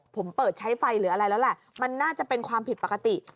ผมเปิดใช้ไฟหรืออะไรแล้วแหละมันน่าจะเป็นความผิดปกติ